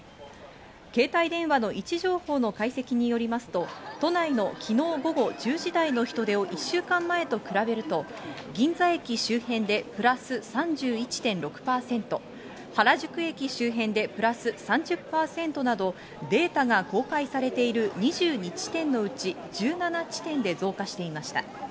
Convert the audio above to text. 携帯電話の位置情報の解析によりますと、都内の昨日午後１０時台の人出を１週間前と比べると、銀座駅周辺でプラス３１．６％、原宿駅周辺でプラス３０％など、データが公開されている２２地点のうち１７地点で増加していました。